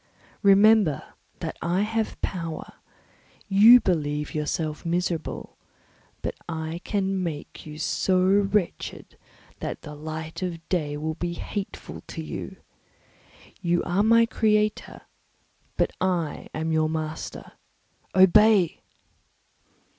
Remember that I have power; you believe yourself miserable, but I can make you so wretched that the light of day will be hateful to you. You are my creator, but I am your master; obey!"